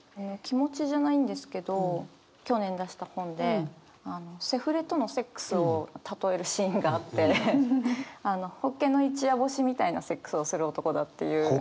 気持ちじゃないんですけど去年出した本でセフレとのセックスを例えるシーンがあってホッケの一夜干しみたいなセックスをする男だっていう。